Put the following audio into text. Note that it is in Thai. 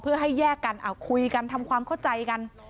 เพื่อให้แยกกันคุยกันทำความเข้าใจกัน